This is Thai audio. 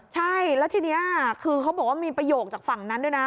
ใช่แล้วทีนี้คือเขาบอกว่ามีประโยคจากฝั่งนั้นด้วยนะ